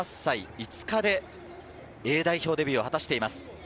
５日でＡ代表デビューを果たしています。